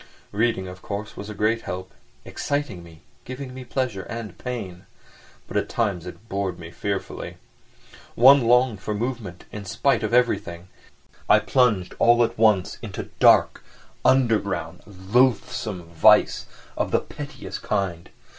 Reading, of course, was a great help—exciting me, giving me pleasure and pain. But at times it bored me fearfully. One longed for movement in spite of everything, and I plunged all at once into dark, underground, loathsome vice of the pettiest kind.